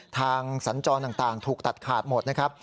สัญจรต่างถูกตัดขาดหมดนะครับ